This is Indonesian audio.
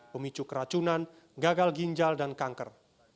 pemicu keracunan gagal ginjal dan kanker